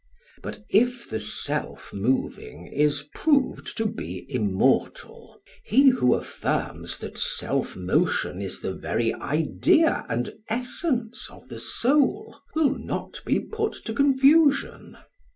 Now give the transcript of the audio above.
But if the self moving is proved to be immortal, he who affirms that self motion is the very idea and essence of the soul will not be put to confusion.